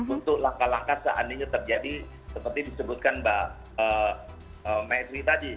untuk langkah langkah seandainya terjadi seperti disebutkan mbak maidri tadi